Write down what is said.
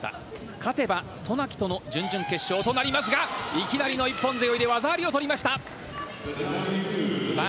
勝てば渡名喜との準々決勝となりますがいきなりの一本背負いで技ありを取りました。